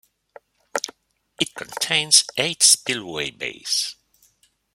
It contains eight spillway bays.